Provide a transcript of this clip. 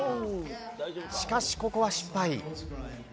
しかしここは失敗。